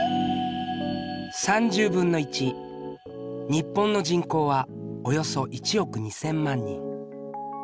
日本の人口はおよそ１億２，０００万人。